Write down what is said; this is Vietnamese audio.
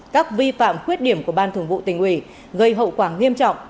các vi phạm khuyết điểm của ban thường vụ tình uỷ gây hậu quả nghiêm trọng